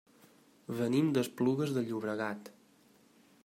Venim d'Esplugues de Llobregat.